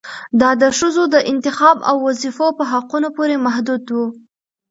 دا د ښځو د انتخاب او وظيفو په حقونو پورې محدود و